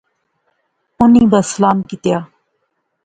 انی بس سلام کیتیا